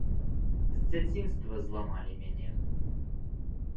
З дзяцінства зламалі мяне.